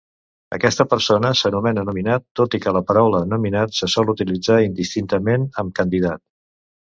Aquesta persona s'anomena "nominat", tot i que la paraula "nominat" se sol utilitzar indistintament amb "candidat".